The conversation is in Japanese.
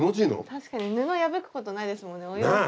確かに布破くことないですもんねお洋服。